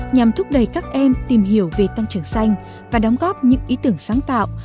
nhằm thúc đẩy các em tìm hiểu về tăng trưởng xanh và đóng góp những ý tưởng sáng tạo